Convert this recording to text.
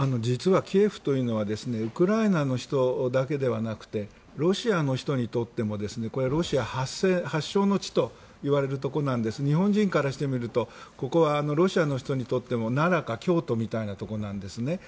実はキエフというのはウクライナの首都だけではなくロシアの首都にとってもロシア発祥の地といわれるところで日本人からしてみるとロシアの人にとっても奈良か京都みたいなところなんです。